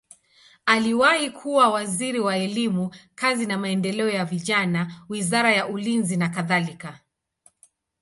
Aliwahi kuwa waziri wa elimu, kazi na maendeleo ya vijana, wizara ya ulinzi nakadhalika.